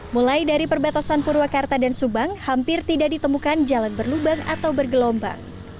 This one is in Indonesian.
mulai dari perbatasan purwakarta dan subang hampir tidak ditemukan jalan berlubang atau bergelombang